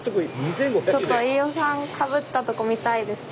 ちょっと飯尾さんかぶったとこ見たいです。